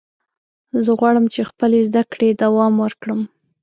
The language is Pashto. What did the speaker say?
زه غواړم چې خپلې زده کړې دوام ورکړم.